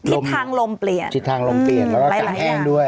ทิศทางลมเปลี่ยนแล้วก็แข็งแอ้งด้วย